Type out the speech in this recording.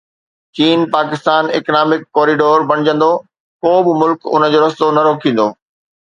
چين Pakistan economic corridor بڻجندو، ڪو به ملڪ ان جو رستو نه روڪيندو.